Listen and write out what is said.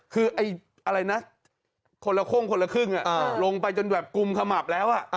คือคนละข้องคนละครึ่งอ่ะลงไปจนแบบกุมขมับแล้วอ่ะ